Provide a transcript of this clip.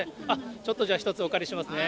ちょっとじゃあ１つお借りしますね。